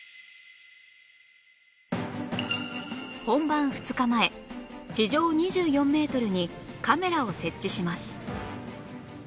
本番２日前地上２４メートルにカメラを設置します